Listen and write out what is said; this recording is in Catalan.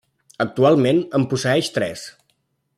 Actualment, en posseeix tres.